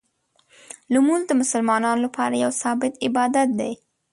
لمونځ د مسلمانانو لپاره یو ثابت عبادت دی.